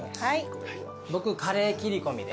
僕カレーきりこみで。